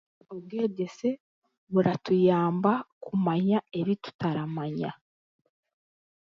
Obwegyese buratuyamba kumanya ebitutaramanya